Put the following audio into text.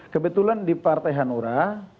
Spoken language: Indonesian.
kebetulan di partai hanura